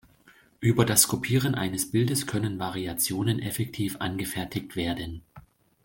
Über das Kopieren eines Bildes können Variationen effektiv angefertigt werden.